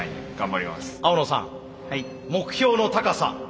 青野さん目標の高さ。